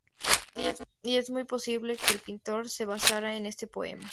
Y es muy posible que el pintor se basara en este poema.